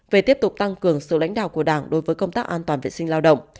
về tiếp tục tăng cường sự lãnh đạo của đảng đối với công tác an toàn vệ sinh lao động